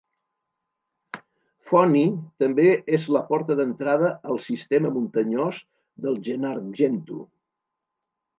Fonni també és la porta d'entrada al sistema muntanyós del Gennargentu.